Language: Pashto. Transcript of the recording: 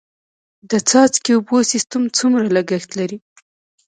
د څاڅکي اوبو سیستم څومره لګښت لري؟